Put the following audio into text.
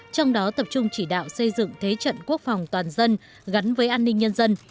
trong đó tập trung chỉ đạo xây dựng thế trận quốc phòng toàn dân gắn với an ninh nhân dân